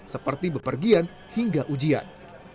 seperti bepergian hingga ujian